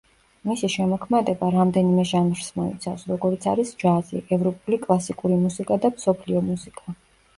მისი შემოქმედება რამდენიმე ჟანრს მოიცავს, როგორიც არის ჯაზი, ევროპული კლასიკური მუსიკა და მსოფლიო მუსიკა.